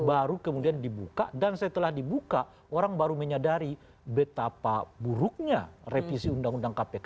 baru kemudian dibuka dan setelah dibuka orang baru menyadari betapa buruknya revisi undang undang kpk